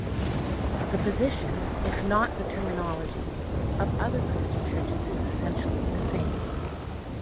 The position, if not the terminology, of other Christian churches is essentially the same.